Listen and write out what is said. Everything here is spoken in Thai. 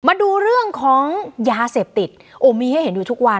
มาดูเรื่องของยาเสพติดโอ้มีให้เห็นอยู่ทุกวัน